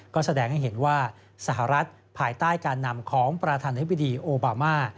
ก็แสดงให้เห็นว่าสหรัฐภายใต้การนำของประธานาธิบดีโอบามา